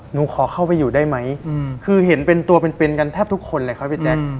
หนูขอเข้าไปอยู่ได้ไหมคือเห็นเป็นตัวเป็นเป็นกันแทบทุกคนเลยครับพี่แจ๊ค